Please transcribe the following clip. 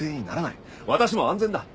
私も安全だ。